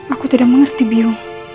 aku tidak mengerti biung